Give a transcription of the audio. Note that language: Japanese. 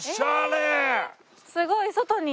ええすごい外に。